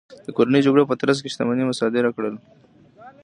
د کورنیو جګړو په ترڅ کې شتمنۍ مصادره کړل.